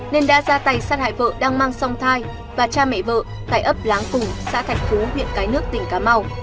nên đã ra tay sát hại vợ đang mang song thai và cha mẹ vợ tại ấp láng cùng xã thạch phú huyện cái nước tỉnh cà mau